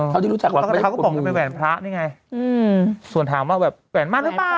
เขาก็บอกว่าเป็นแหวนพระนี่ไงส่วนถามว่าแหวนมันหรือเปล่า